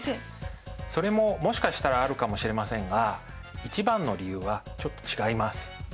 それももしかしたらあるかもしれませんが一番の理由はちょっと違います。